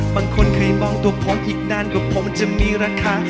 บางคนเคยมองตัวผมอีกนานกว่าผมจะมีราคา